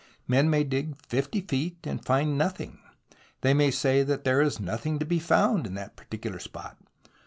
Men may dig 50 feet and find nothing. They may say there is nothing to be found in that particular spot.